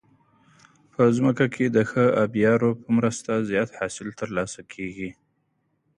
په ځمکه کې د ښه آبيارو په مرسته زیات حاصل ترلاسه کیږي.